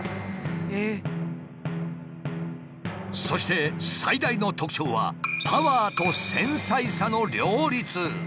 そして最大の特徴はパワーと繊細さの両立。